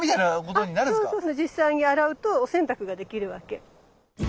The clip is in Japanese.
あそうですね。実際に洗うとお洗濯ができるわけ。